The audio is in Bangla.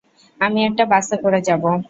আমি একটা বাসে করে যাব।